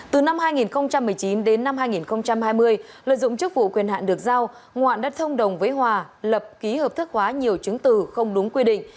từ năm hai nghìn một mươi chín đến năm hai nghìn hai mươi lợi dụng chức vụ quyền hạn được giao ngoạn đã thông đồng với hòa lập ký hợp thức hóa nhiều chứng từ không đúng quy định